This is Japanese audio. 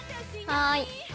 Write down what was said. はい。